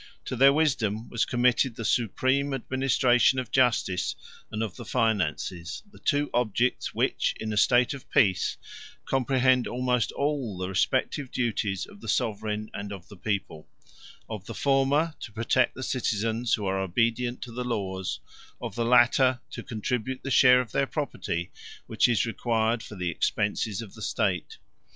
To their wisdom was committed the supreme administration of justice and of the finances, the two objects which, in a state of peace, comprehend almost all the respective duties of the sovereign and of the people; of the former, to protect the citizens who are obedient to the laws; of the latter, to contribute the share of their property which is required for the expenses of the state.